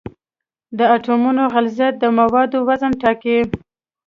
د اټومونو غلظت د موادو وزن ټاکي.